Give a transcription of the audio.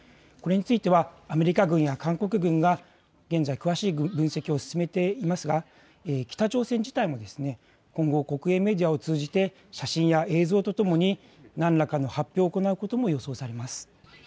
これについてはアメリカ軍や韓国軍が詳しい分析を進めていますが、北朝鮮自体も今後、国営メディアを通じて写真や映像とともに何らかの発表を行うことも予想されます。